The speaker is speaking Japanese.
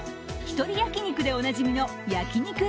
ひとり焼肉でおなじみの焼肉